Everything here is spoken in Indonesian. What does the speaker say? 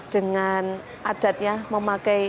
dengan adatnya memakai